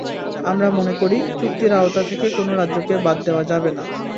আমরা মনে করি, চুক্তির আওতা থেকে কোনো রাজ্যকে বাদ দেওয়া যাবে না।